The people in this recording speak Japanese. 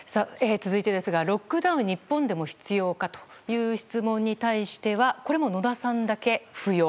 続いてですがロックダウン日本でも必要かという質問に対してはこれも野田さんだけ不要。